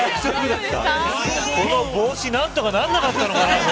この帽子何とかならなかったのかな。